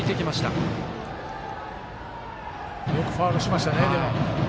よくファウルしましたね。